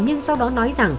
nhưng sau đó nói rằng